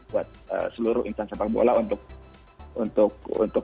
buat seluruh insan sepak bola untuk